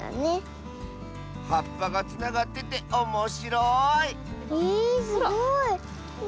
はっぱがつながってておもしろいえすごい。